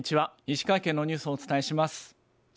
石川県のニュースをお伝えします。